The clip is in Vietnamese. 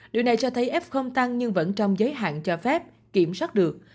điều này cho thấy f tăng nhưng vẫn trong giới hạn cho phép kiểm soát được